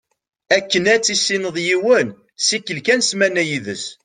Akken ad tissineḍ yiwen, ssikel kan ssmana yid-s.